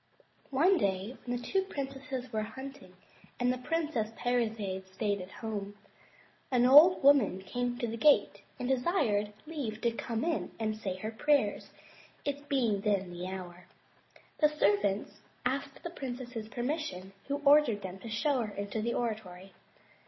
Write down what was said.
One day when the two princes were hunting, and the Princess Parizade stayed at home, an old woman came to the gate and desired leave to come in and say her prayers, it being then the hour. The servants asked the princess's permission, who ordered them to show her into the oratory.